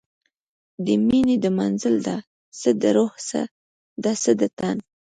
د میینې د منزل ده، څه د روح ده څه د تن